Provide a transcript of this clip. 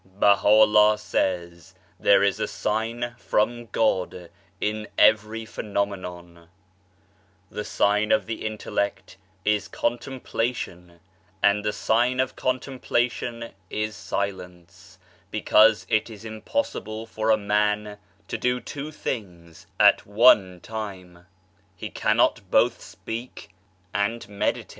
Baha'u'llah says there is a sign (from God) in every phenomenon : the sign of the intellect is contemplation and the sign of contemplation is silence, because it is impossible for a man to do two things at one time he cannot both speak and meditate.